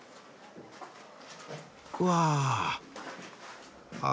うわあ。